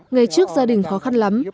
ngay trước gia đình khó khăn lắm